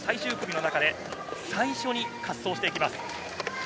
この平野は最終組の中で一緒に滑走していきます。